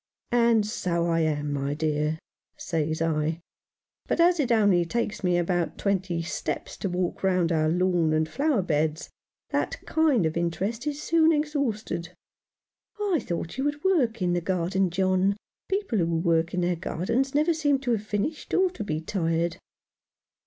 " And so I am, my dear," says I ;" but as it only takes me about twenty steps to walk round our lawn and flower beds, that kind of interest is soon exhausted." "I thought you'd work in the garden, John. People who work in their gardens never seem to have finished, or to be tired."